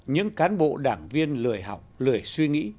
những cán bộ đảng viên lười học lười suy nghĩ